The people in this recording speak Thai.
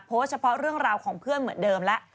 โพสต์เฉพาะเรื่องราวของเพื่อนเหมือนเดิมแล้ว